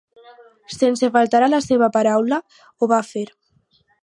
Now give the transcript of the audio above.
Sense faltar a la seva paraula, ho va fer.